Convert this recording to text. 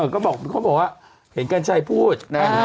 ก็บอกเขาบอกว่าเห็นกัญชัยพูดนะ